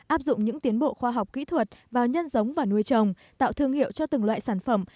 áp dụng những tiến bộ khoa học kỹ thuật vào nhân giống và nuôi trồng tạo thương hiệu cho từng loại sản phẩm